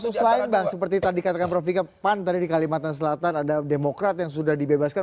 kasus lain bang seperti tadi katakan prof vika pan tadi di kalimantan selatan ada demokrat yang sudah dibebaskan